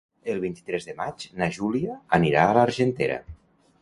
El vint-i-tres de maig na Júlia anirà a l'Argentera.